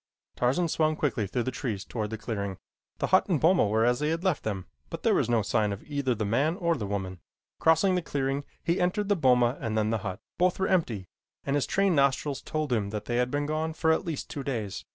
Tarzan swung quickly through the trees toward the clearing. The hut and boma were as he had left them, but there was no sign of either the man or the woman. Crossing the clearing, he entered the boma and then the hut. Both were empty, and his trained nostrils told him that they had been gone for at least two days.